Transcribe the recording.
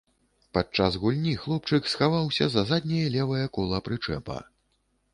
Падчас гульні хлопчык схаваўся за задняе левае кола прычэпа.